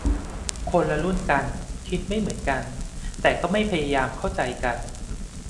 คนละรุ่นกันคิดไม่เหมือนกัน แต่ก็ไม่พยายามเข้าใจกัน